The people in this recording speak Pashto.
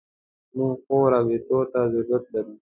موږ ښو راوبطو ته ضرورت لرو.